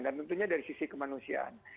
dan tentunya dari sisi kemanusiaan